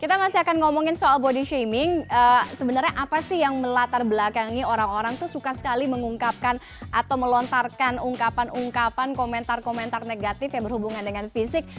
kita masih akan ngomongin soal body shaming sebenarnya apa sih yang melatar belakangi orang orang tuh suka sekali mengungkapkan atau melontarkan ungkapan ungkapan komentar komentar negatif yang berhubungan dengan fisik